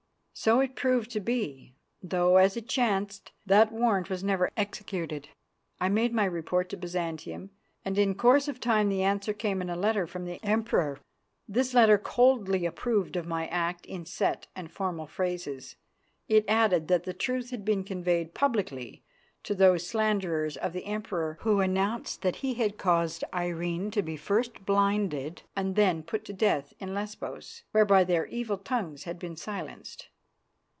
So it proved to be, though, as it chanced, that warrant was never executed. I made my report to Byzantium, and in course of time the answer came in a letter from the Emperor. This letter coldly approved of my act in set and formal phrases. It added that the truth had been conveyed publicly to those slanderers of the Emperor who announced that he had caused Irene to be first blinded and then put to death in Lesbos, whereby their evil tongues had been silenced.